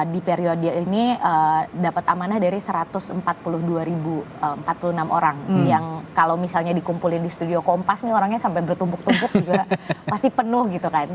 di periode ini dapat amanah dari satu ratus empat puluh dua empat puluh enam orang yang kalau misalnya dikumpulin di studio kompas nih orangnya sampai bertumpuk tumpuk juga pasti penuh gitu kan